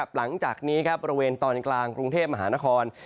หลังจากนี้บริเวณตอนกลางกรุงเทพมหานคร